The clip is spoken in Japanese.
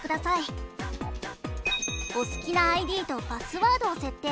お好きなＩＤとパスワードを設定。